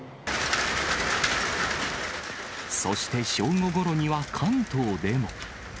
そして正午ごろには関東でも。